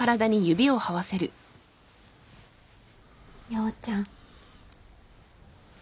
陽ちゃん。